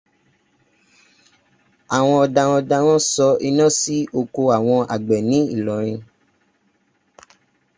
Àwọn dẹrandẹran sọ iná sí oko àwọn àgbẹ̀ nì Ìlọrin.